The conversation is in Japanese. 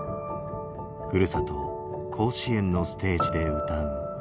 ふるさと甲子園のステージで歌う。